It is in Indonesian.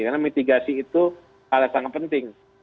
karena mitigasi itu hal yang sangat penting